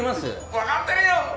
わかってるよ！